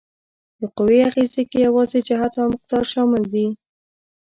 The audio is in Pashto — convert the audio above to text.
د قوې اغیزې کې یوازې جهت او مقدار شامل دي؟